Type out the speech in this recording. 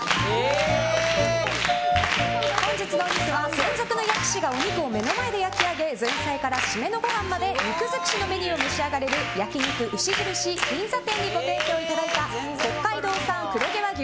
本日のお肉は、専属の焼き師がお肉を目の前で焼き上げ前菜から締めのごはんまで肉尽くしのメニューを召し上がれる焼肉牛印銀座店にご提供いただいた北海道産黒毛和牛